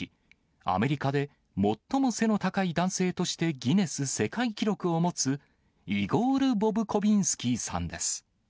アメリカで最も背の高い男性としてギネス世界記録を持つ、イゴール・ボブコビンスキーさんです。